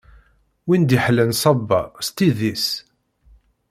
Win d-iḥellan ṣṣaba s tidi-s.